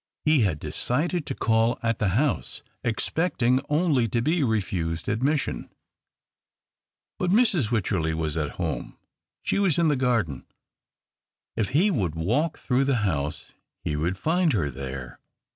He had decided to call at the house, expecting only to be refused admission. But ]\Irs. Wycherley was at home. She was in the garden. If he would walk through the house he would find her there.